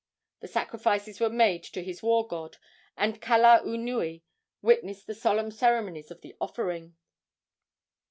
The sacrifices were made to his war god, and Kalaunui witnessed the solemn ceremonies of the offering.